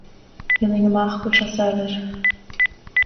Dhéanfainn amach go bhfuil sé saibhir.